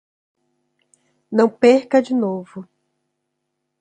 Não perca de novo